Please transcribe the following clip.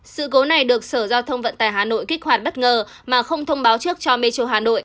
sự cố này được sở giao thông vận tải hà nội kích hoạt bất ngờ mà không thông báo trước cho metro hà nội